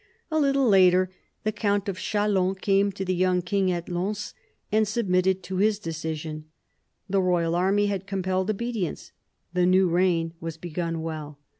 A little later the count of Chalon came to the young king at Lens and submitted to his decision. The royal army had compelled obedience. The new reign was begun well.